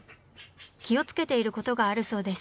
気をつけていることがあるそうです。